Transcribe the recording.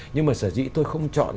nhưng mà sở dĩ tôi không chọn